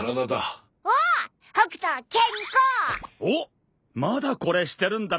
まだこれしてるんだな。